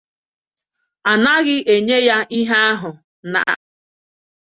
a naghị enye ya ihe ahụ n'aka